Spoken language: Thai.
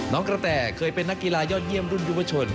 กระแต่เคยเป็นนักกีฬายอดเยี่ยมรุ่นยุวชน